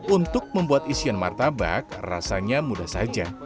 untuk membuat isian martabak rasanya mudah saja